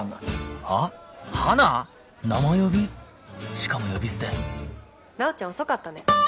しかも呼び捨て直ちゃん遅かったね。